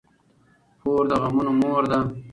پور د غمونو مور ده.